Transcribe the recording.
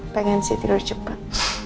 pengen sih tidur cepat